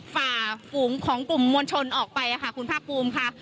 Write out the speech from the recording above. ฝ่าฝูงของกลุ่มมวลชนออกไปค่ะคุณภาคภูมิค่ะ